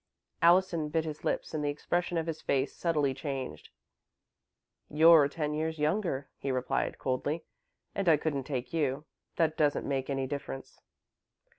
Allison bit his lips and the expression of his face subtly changed. "You're ten years younger," he replied, coldly, "and I couldn't take you. That doesn't make any difference."